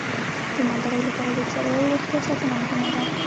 د مالدارۍ لپاره د څارویو روغتیا ساتنه مهمه ده.